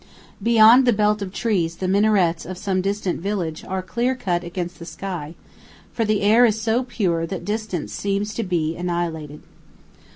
Beyond the belt of trees the minarets of some distant village are clear cut against the sky, for the air is so pure that distance seems to be annihilated.